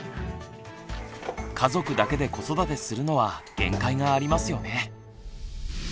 家族だけで子育てするのは限界がありますよね。